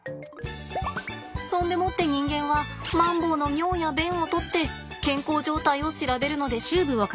そんでもって人間はマンボウの尿や便を採って健康状態を調べるのです。